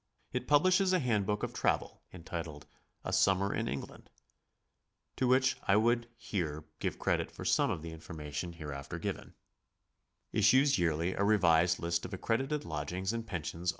It publishes a handbook of travel, entitled "A Summer in England" (to which I would here give credit for some of the information hereafter given); issues yearly a ^revised list of accredited lodgings and pen sions